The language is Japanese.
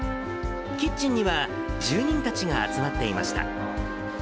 キッチンには、住人たちが集まっていました。